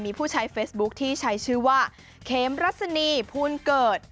มีผู้ใช้เฟซบุ๊คที่ใช้ชื่อว่าเขมรัศนีภูลเกิด